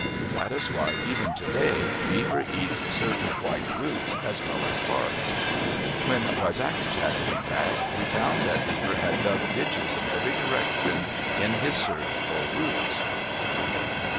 That is why, even today, Beaver eats certain white roots as well as bark. When Wisagatcak came back, he found that Beaver had dug ditches in every direction in his search for roots.